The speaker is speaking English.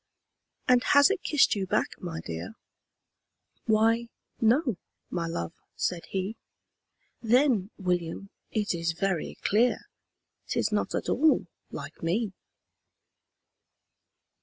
"And has it kissed you back, my dear?" "Why no my love," said he. "Then, William, it is very clear 'Tis not at all LIKE ME!"